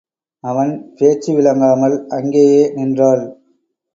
அவன் பேச்சு விளங்காமல் அங்கேயே நின்றாள்.